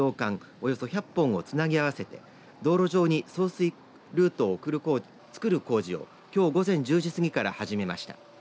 およそ１００本をつなぎ合わせて道路上に送水ルートを作る工事を、きょう午前１０時過ぎから始めました。